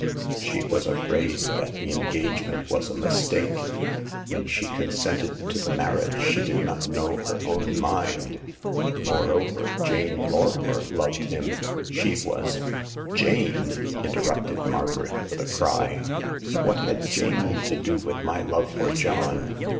She was afraid that the engage ment was a mistake ; when she consented to the marriage she did not know her own mind. Moreover, Jane Lorrimer loved him ; she was "Jane !" interrupted Margaret, with a cry— " what had Jane to do with my love for John